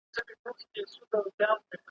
که اوږده دهجران شپه ده هم تیریږی